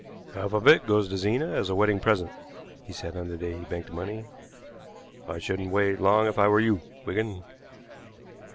"Half of it goes to Zena as a wedding present," he said on the day he banked the money. "I shouldn't wait long if I were you, Wigan."